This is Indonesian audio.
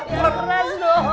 kurang keras dong